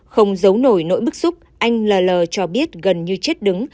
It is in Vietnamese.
không giấu nổi nỗi bức xúc anh l cho biết gần như chết đứng